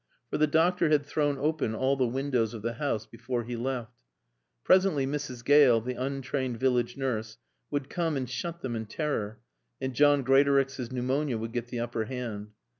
For the doctor had thrown open all the windows of the house before he left. Presently Mrs. Gale, the untrained village nurse, would come and shut them in terror, and John Greatorex's pneumonia would get the upper hand.